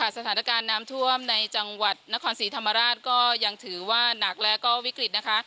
สถานการณ์น้ำท่วมในจังหวัดนครศรีธรรมราชก็ยังถือว่าหนักแล้วก็วิกฤตนะคะ